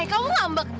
eh kamu ngambek